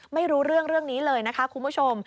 ไม่รู้เรื่องเรื่องนี้เลยนะคะคุณผู้ชม